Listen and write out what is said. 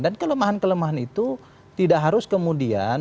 dan kelemahan kelemahan itu tidak harus kemudian